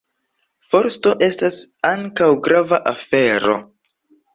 Forsto estas ankaŭ grava afero.